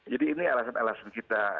jadi ini alasan alasan kita